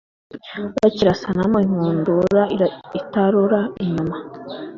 bakirasanamo inkundura itarora inyuma,